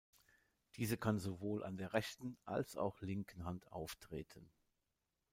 Diese kann sowohl an der rechten als auch linken Hand auftreten.